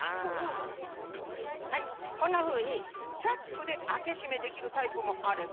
はいこんなふうにチャックであけしめできるタイプもあれば。